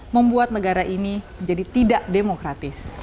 membuat negara ini jadi tidak demokratis